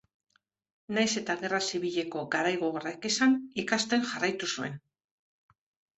Nahiz eta gerra zibileko garai gogorrak izan, ikasten jarraitu zuen.